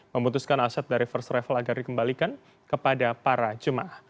memutuskan aset dari first travel agar dikembalikan kepada para jemaah